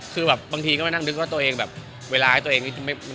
คือแบบบางทีก็มานั่งนึกว่าตัวเองแบบ